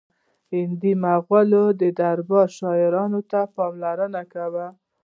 د هند مغلي دربار شاعرانو ته پاملرنه کوله